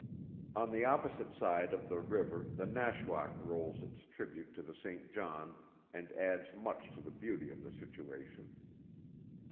On the opposite side of the river the Nashwaack rolls its tribute to the Saint John and adds much to the beauty of the situation.